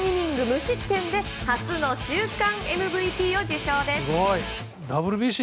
無失点で初の週間ＭＶＰを受賞です。